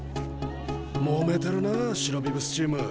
もめてるなあ白ビブスチーム。